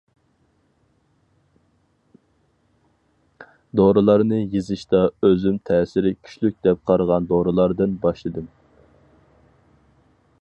دورىلارنى يېزىشتا ئۆزۈم تەسىرى كۈچلۈك دەپ قارىغان دورىلاردىن باشلىدىم.